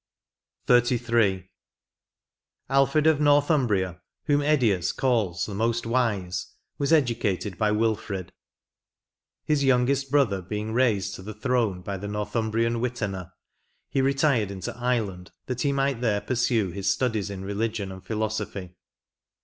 XXXIII. Alfred of Northumbria, whom Eddius caUs " the most wise," was educated by Wilfred. His young est brother being raised to the throne by the Nor thumbrian Witena, he retired into Ireland that he might there pursue his studies in religion and philosophy.